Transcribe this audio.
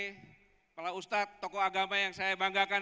kepala ustadz tokoh agama yang saya banggakan